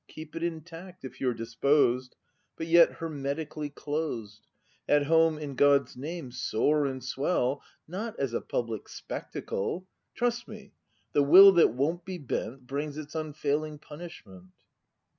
Keep it intact, if you're disposed, — But yet hermetically closed; At home, in God's name, soar and swell. Not as a public spectacle; Trust me, the will that won't be bent Brings its unfailing punishment.